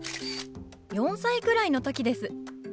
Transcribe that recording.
４歳くらいの時です。